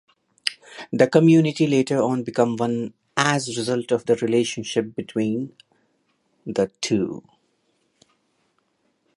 The community later on become one as result of the relationship between the two.